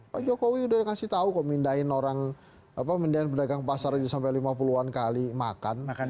pak jokowi udah kasih tau kok mindahin orang pedagang pasar aja sampai lima puluh an kali makan